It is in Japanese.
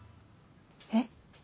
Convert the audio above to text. えっ？